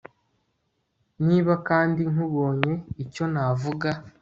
niba kandi nkubonye icyo navuga